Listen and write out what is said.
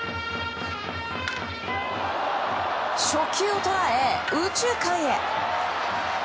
初球を捉え、右中間へ。